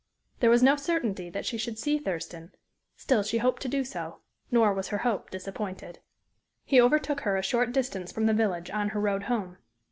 There was no certainty that she should see Thurston; still she hoped to do so, nor was her hope disappointed. He overtook her a short distance from the village, on her road home.